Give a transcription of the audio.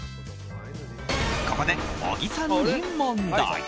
ここで小木さんに問題。